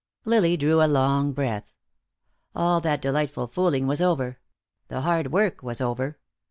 Lily drew a long breath. All that delightful fooling was over; the hard work was over.